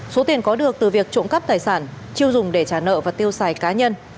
số tiền có được từ việc trộm cắp tài sản chưa dùng để trả nợ và tiêu xài cá nhân